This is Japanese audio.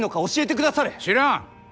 知らん。